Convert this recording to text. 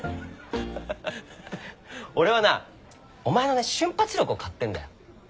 俺はなお前の瞬発力を買ってんだよ。